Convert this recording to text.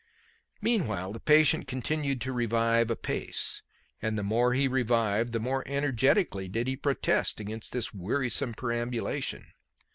Meanwhile the patient continued to revive apace. And the more he revived, the more energetically did he protest against this wearisome perambulation.